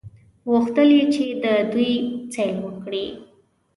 غوښتل یې چې د دوی سیل وکړي.